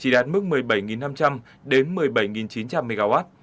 một mươi bảy năm trăm linh đến một mươi bảy chín trăm linh mw